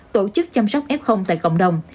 tổ chức chăm sóc f tại cộng đồng